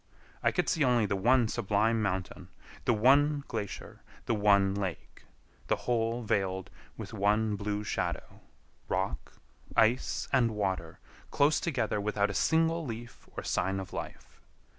I could see only the one sublime mountain, the one glacier, the one lake; the whole veiled with one blue shadow—rock, ice, and water close together without a single leaf or sign of life.